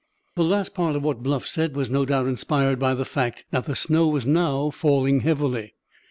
The last part of what Bluff said was no doubt inspired by the fact that the snow was now falling heavily.